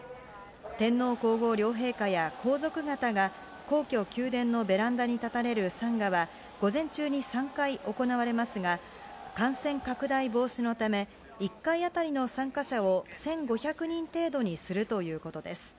天皇皇后両陛下や、皇族方が、皇居・宮殿のベランダに立たれる参賀は、午前中に３回行われますが、感染拡大防止のため、１回当たりの参加者を１５００人程度にするということです。